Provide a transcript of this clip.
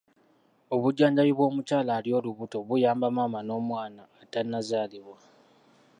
Obujjanjabi bw'omukyala ali olubuto buyamba maama n'omwana atannazaalibwa.